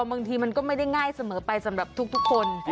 บางทีมันก็ไม่ได้ง่ายเสมอไปสำหรับทุกคน